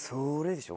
でしょ。